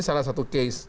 salah satu case